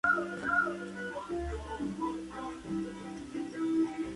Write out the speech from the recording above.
La superficie de este hongo contiene psilocibina.